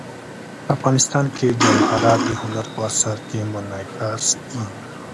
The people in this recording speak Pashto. افغانستان کې جواهرات د هنر په اثار کې منعکس کېږي.